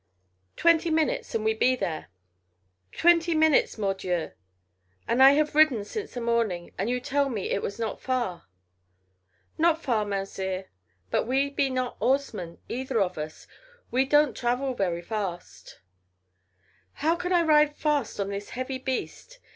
Twenty minutes and we be there." "Twenty minutes, mordieu. And I have ridden since the morning. And you tell me it was not far." "Not far, Mounzeer. But we be not 'orzemen either of us. We doan't travel very fast." "How can I ride fast on this heavy beast?